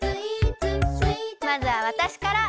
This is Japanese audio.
まずはわたしから。